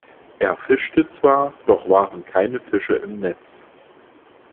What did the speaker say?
Er fischte zwar, doch waren keine Fische im Netz.